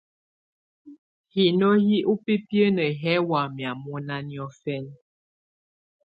Hino hɛ̀ ùbibiǝ́nǝ́ hɛ̀ wamɛ̀á mɔnà niɔ̀fɛna.